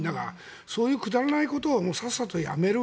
そういうくだらないことをさっさとやめる。